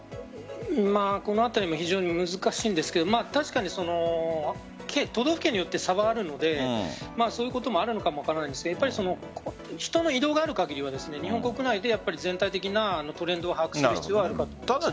このあたりも非常に難しいんですが確かに都道府県によって差はあるのでそういうこともあるのかも分からないですし人の移動がある限りは日本国内で全体的なトレンドを把握する必要はあるかと思います。